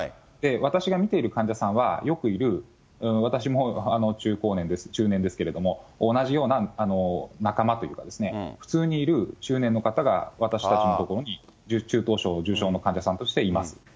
私が見ている患者さんは、よくいる私も中高年です、中年ですけれども、同じような仲間というか、普通にいる中年の方が、私たちの所に重症の患者さんとしています。